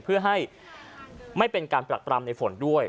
เพื่อให้ไม่เป็นการปรักปรำในฝนด้วย